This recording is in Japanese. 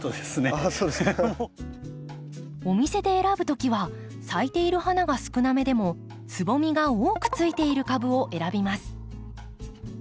あそうですか。お店で選ぶ時は咲いている花が少なめでもつぼみが多くついている株を選びます。